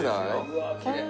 うわっきれい。